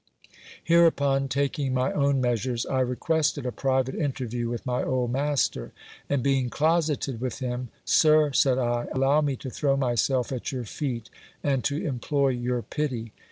Hereupon, taking my own measures, I requested a private interview with my old master ; and being closeted with him, Sir, said I, allow me to throw myself at your feet, and to implore your pity.